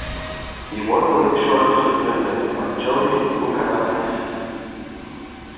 The award-winning short was written and directed by Joey Boukadakis.